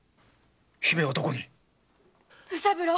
姫はどこに⁉卯三郎！